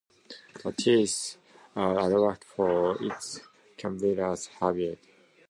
The teeth are adapted for its carnivorous habits.